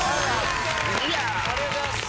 ありがとうございます！